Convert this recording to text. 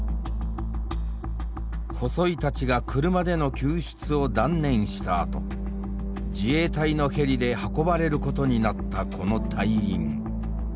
細井たちが車での救出を断念したあと自衛隊のヘリで運ばれることになったこの隊員。